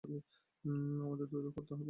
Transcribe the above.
আমাদের দ্রুত করতে হবে।